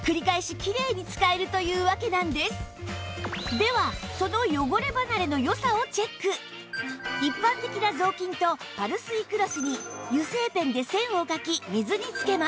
ではその一般的な雑巾とパルスイクロスに油性ペンで線を書き水につけます